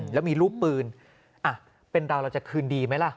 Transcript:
และมีรูปปืนอ่ะเป็นราค์เราจะคืนดีไหมล่ะ